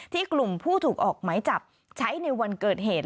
กลุ่มผู้ถูกออกไหมจับใช้ในวันเกิดเหตุ